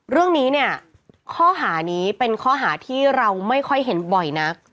เรื่องนี้เนี่ยข้อหานี้เป็นข้อหาที่เราไม่ค่อยเห็นบ่อยนัก